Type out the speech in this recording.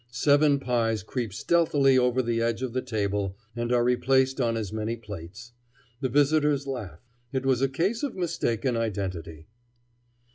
Seven pies creep stealthily over the edge of the table, and are replaced on as many plates. The visitors laugh. It was a case of mistaken identity.